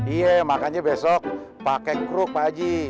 iya makanya besok pakai kruk pak haji